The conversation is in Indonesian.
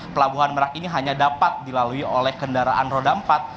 pelabuhan merak ini hanya dapat dilalui oleh kendaraan roda empat